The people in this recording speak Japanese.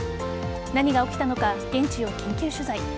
何が起きたのか現地を緊急取材。